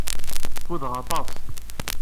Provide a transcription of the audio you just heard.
Ffudeɣ aṭas.